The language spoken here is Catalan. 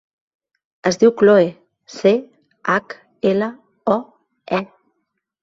Es diu Chloe: ce, hac, ela, o, e.